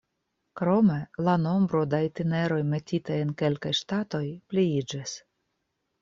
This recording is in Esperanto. Krome, la nombro da itineroj metitaj en kelkaj ŝtatoj pliiĝis.